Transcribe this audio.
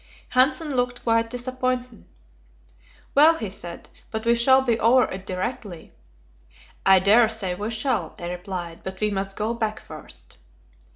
Hanssen looked quite disappointed. "Well," he said, "but we shall be over it directly." "I dare say we shall," I replied; "but we must go back first."